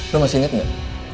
lo masih inget gak